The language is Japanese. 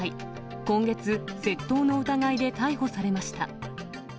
今月、窃盗の疑いで逮捕されました。